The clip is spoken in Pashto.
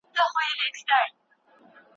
مرکزي حکومت به منځ ته راسي.